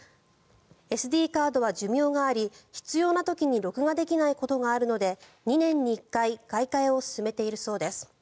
ＳＤカードは寿命があり必要な時に録画できないことがあるので２年に１回買い替えを勧めているそうです。